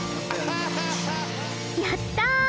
やった！